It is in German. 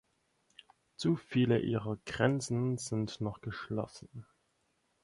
Zu viele ihrer Grenzen sind noch geschlossen.